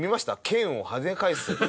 剣をはね返す。